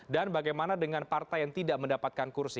dan bagaimana dengan partai yang tidak mendapatkan kursi